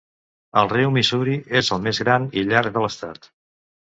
El riu Missouri és el més gran i llarg de l'estat.